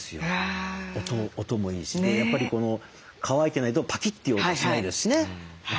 やっぱり乾いてないとパキッていう音しないですしね。